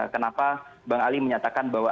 kenapa bang ali menyatakan bahwa